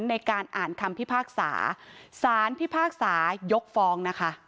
ในการอ่านคำพิภาคศาสานพิภาคศายกฟอง